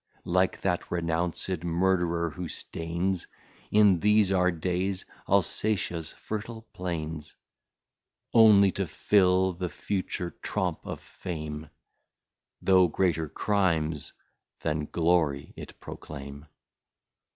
Like that renounced Murderer who staines In these our days Alsatias fertile Plains, Only to fill the future Tromp of Fame, Though greater Crimes, than Glory it proclame.